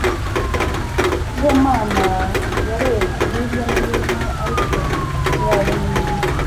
Sibomana yarebye hirya no hino, ariko ntiyabona umuntu.